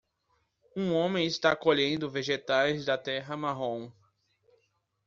Um homem está colhendo vegetais da terra marrom.